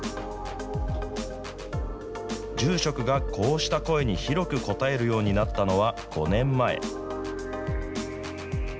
住職がこうした声に広く応えるようになったのは５年前。